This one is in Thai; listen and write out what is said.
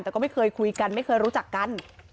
แต่ก็ไม่เคยคุยกันไม่เคยรู้จักกัน